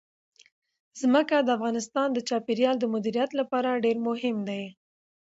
ځمکه د افغانستان د چاپیریال د مدیریت لپاره ډېر مهم دي.